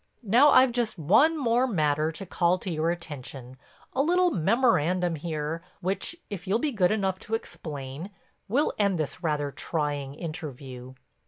"Now I've just one more matter to call to your attention, a little memorandum here, which, if you'll be good enough to explain, we'll end this rather trying interview."